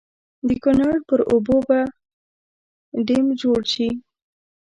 د کنړ پر اوبو به ډېم جوړ شي.